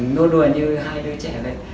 nuôi đùa như hai đứa trẻ vậy